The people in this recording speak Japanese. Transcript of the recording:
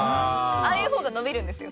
ああいうほうが伸びるんですよ。